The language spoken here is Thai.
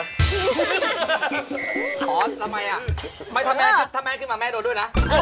รอดอ๋อทำไมถ้าม่าเมนขึ้นมาแม่โดนด้วยนะ